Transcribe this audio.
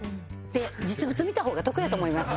「実物を見た方が得やと思います」って。